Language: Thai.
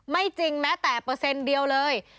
จริงแม้แต่เปอร์เซ็นต์เดียวเลย